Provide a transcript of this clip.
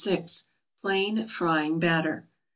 =Plain Frying Batter.